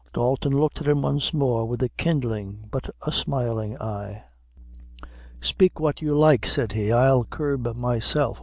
Dalton looked at him once more with a kindling but a smiling eye. "Speak what you like," said he "I'll curb myself.